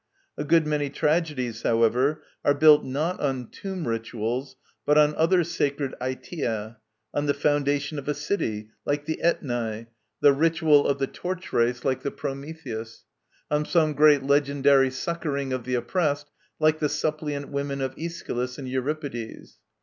A good many tragedies, however, are built not on Tomb Rituals but on other sacred Aitia: on the foundation of a city, like the Aetnae, the ritual of the torch race, like the Prometheus; on some great legendary succouring of the oppressed, like the Suppliant Women of Aeschylus and Euripides.